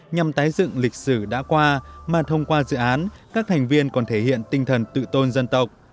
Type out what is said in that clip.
nhằm tái dựng lịch sử đã qua mà thông qua dự án các thành viên còn thể hiện tinh thần tự tôn dân tộc